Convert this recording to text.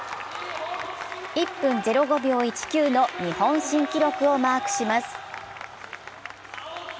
１分０５秒１９の日本新記録をマークします。